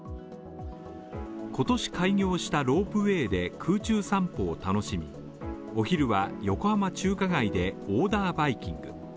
今年開業したロープウェイで空中散歩を楽しみ、お昼は横浜中華街で、オーダーバイキング。